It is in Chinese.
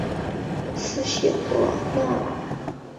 斯谢伯纳尔。